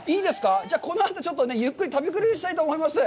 じゃあ、このあと、ゆっくり食べ比べしたいと思います。